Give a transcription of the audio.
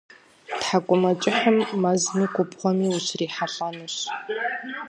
Тхьэкӏумэкӏыхьым мэзми губгъуэми ущрихьэлӏэнущ.